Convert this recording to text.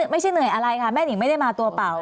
ไม่ใช่เหนื่อยอะไรค่ะแม่นิงไม่ได้มาตัวเปล่า